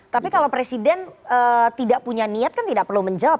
tapi kalau presiden tidak punya niat kan tidak perlu menjawab